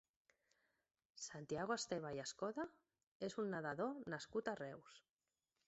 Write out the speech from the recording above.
Santiago Esteva i Escoda és un nedador nascut a Reus.